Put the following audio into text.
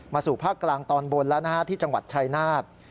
สู่ภาคกลางตอนบนแล้วนะฮะที่จังหวัดชายนาฏ